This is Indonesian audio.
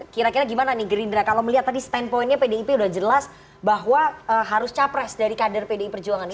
kira kira gimana nih gerindra kalau melihat tadi standpointnya pdip udah jelas bahwa harus capres dari kader pdi perjuangan ini